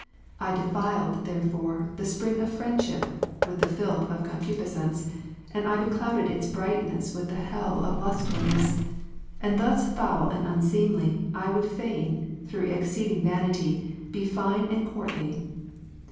I defiled, therefore, the spring of friendship with the filth of concupiscence, and I beclouded its brightness with the hell of lustfulness ; and thus foul and unseemly I would fain, through exceeding vanity, be fine and courtly.